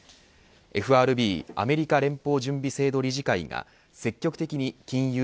ＦＲＢアメリカ連邦準備制度理事会が積極的に金融